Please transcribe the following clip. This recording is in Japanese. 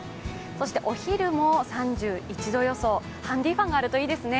お昼も３１度予想、ハンディーファンがあるといいですね。